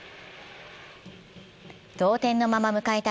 同点のまま迎えた